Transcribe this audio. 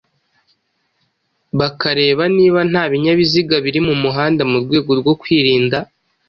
bakareba niba nta binyabiziga biri mu muhanda mu rwego rwo kwirinda